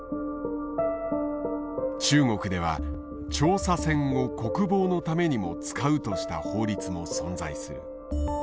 中国では調査船を国防のためにも使うとした法律も存在する。